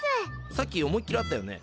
さっき思いっきり会ったよね？